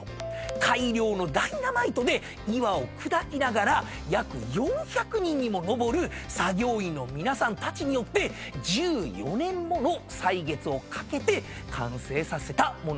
大量のダイナマイトで岩を砕きながら約４００人にも上る作業員の皆さんたちによって１４年もの歳月をかけて完成させたもんなんですよ。